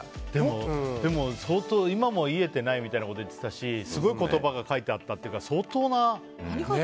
でも、今も癒えてないみたいなこと言ってたしすごい言葉が書いてあったっていうから相当な。